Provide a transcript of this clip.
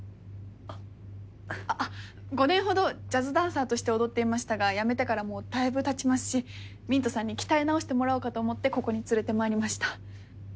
あっ５年ほどジャズダンサーとして踊っていましたが辞めてからもうだいぶたちますしミントさんに鍛え直してもらおうかと思ってここに連れてまいりました。